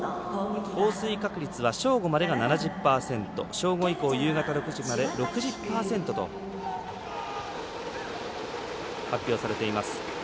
降水確率は正午までが７０％正午以降、夕方６時まで６０％と発表されています。